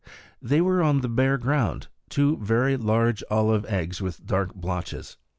They were there on the bare ground, two very large olive eggs with dark blotches.